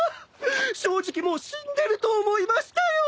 正直もう死んでると思いましたよ！